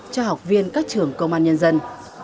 cho học viên các trường công an nhân dân